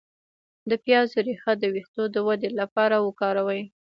د پیاز ریښه د ویښتو د ودې لپاره وکاروئ